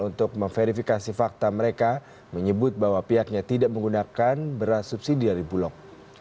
untuk memverifikasi fakta mereka menyebut bahwa pihaknya tidak menggunakan beras subsidi dari bulog